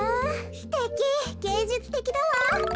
すてきげいじゅつてきだわ。